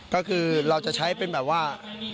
ก็คือเราจะใช้เป็นแบบว่า